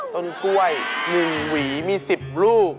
ต้นกล้วย๑หวีมี๑๐ลูก